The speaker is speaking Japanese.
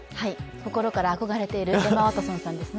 心から憧れているエマ・ワトソンさんですね。